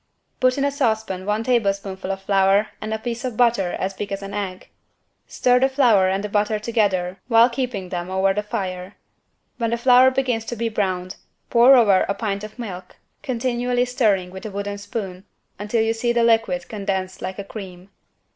Put in a saucepan one tablespoonful of flour and a piece of butter as big as an egg. Stir the flour and the butter together while keeping them over the fire. When the flour begins to be browned, pour over a pint of milk, continually stirring with a wooden spoon until you see the liquid condensed like a cream.